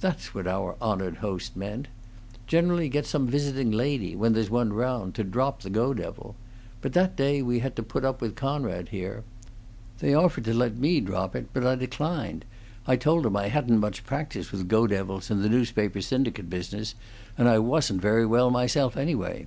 That's what our honored host meant. Generally get some visiting lady, when there's one round, to drop the Go devil. But that day we had to put up with Conrad here. They offered to let me drop it, but I declined. I told 'em I hadn't much practice with Go devils in the newspaper syndicate business, and I wasn't very well myself, anyway.